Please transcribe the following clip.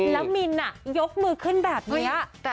แล้วมินยกมือขึ้นแบบนี้